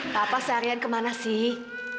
papa seharian ke mana sih